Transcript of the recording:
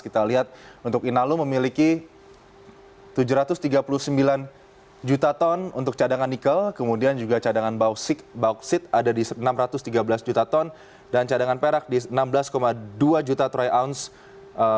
kita lihat untuk inalum memiliki tujuh ratus tiga puluh sembilan juta ton untuk cadangan nikel kemudian juga cadangan bauksit ada di enam ratus tiga belas juta ton dan cadangan perak di enam belas dua juta troy ounce